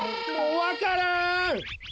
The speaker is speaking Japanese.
わからん！